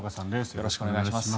よろしくお願いします。